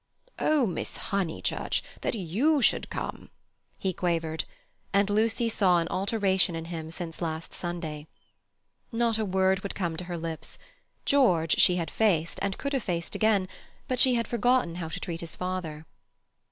"Oh, Miss Honeychurch, that you should come!" he quavered; and Lucy saw an alteration in him since last Sunday. Not a word would come to her lips. George she had faced, and could have faced again, but she had forgotten how to treat his father.